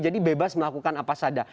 jadi bebas melakukan apa saja